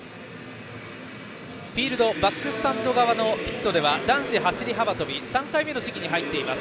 フィールドバックスタンド側のピットでは男子走り幅跳び３回目の試技に入っています。